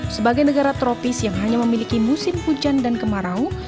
sebagai negara tropis yang hanya memiliki musim hujan dan kemarau